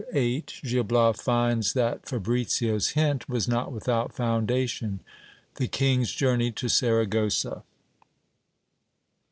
— Gil Bias finds that Fabricids hint was not without foundation. The king's journey to Saragossa.